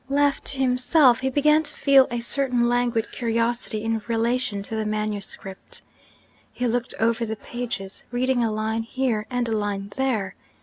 Left to himself, he began to feel a certain languid curiosity in relation to the manuscript. He looked over the pages, reading a line here and a line there.